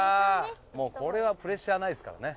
もうこれはプレッシャーないですからね。